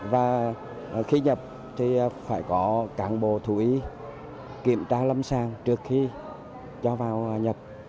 và khi nhập thì phải có cảng bộ thủ ý kiểm tra lâm sàng trước khi cho vào nhập